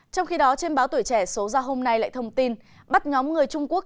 trong khi đó trên báo tuổi trẻ số ra hôm nay lại thông tin bắt nhóm người trung quốc